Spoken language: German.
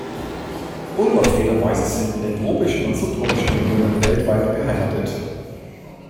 Bulldoggfledermäuse sind in den tropischen und subtropischen Regionen weltweit beheimatet.